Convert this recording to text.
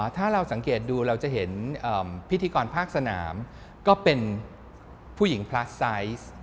ถ้าเราสังเกตดูเราจะเห็นพิธีกรภาคสนามก็เป็นผู้หญิงพลาสไซส์